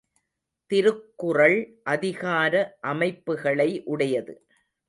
திருக்குறள் அதிகார அமைப்புகளை உடையது.